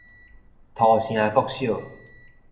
土城國小